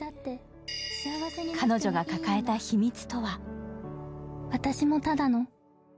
彼女が抱えた秘密とは？